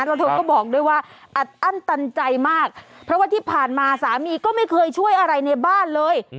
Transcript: แล้วเธอก็บอกด้วยว่าอัดอั้นตันใจมากเพราะว่าที่ผ่านมาสามีก็ไม่เคยช่วยอะไรในบ้านเลย